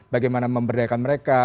bagaimana memperdayakan mereka